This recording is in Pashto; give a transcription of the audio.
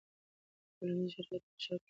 ټولنیز شرایط په شعر کې رنګارنګي راولي.